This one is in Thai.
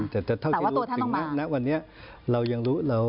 แต่เท่าที่รู้ถึงณวันนี้เรายังรู้เรา